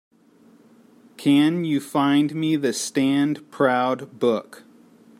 Can you find me the Stand Proud book?